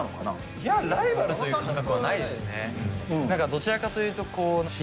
どちらかというと。